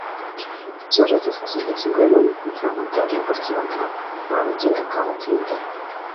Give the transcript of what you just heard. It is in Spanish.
Sus restos fósiles, un cráneo fragmentario, aparecieron en la provincia del Cabo Occidental.